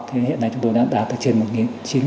hiện nay chúng tôi đã tập trung